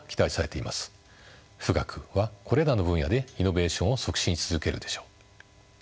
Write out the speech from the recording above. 富岳はこれらの分野でイノベーションを促進し続けるでしょう。